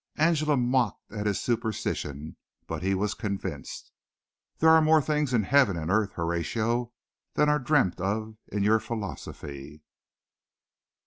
Angela mocked at his superstition, but he was convinced. "There are more things in heaven and earth, Horatio, than are dreamt of in your philosophy."